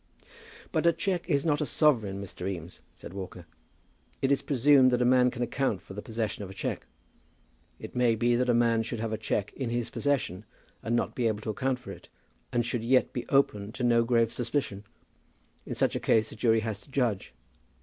"But a cheque is not a sovereign, Mr. Eames," said Walker. "It is presumed that a man can account for the possession of a cheque. It may be that a man should have a cheque in his possession and not be able to account for it, and should yet be open to no grave suspicion. In such a case a jury has to judge.